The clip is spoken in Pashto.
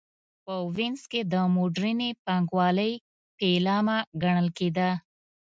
په وینز کې د موډرنې بانک والۍ پیلامه ګڼل کېده